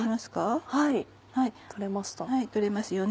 はい取れました。